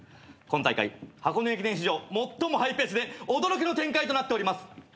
今大会箱根駅伝史上最もハイペースで驚きの展開となっております！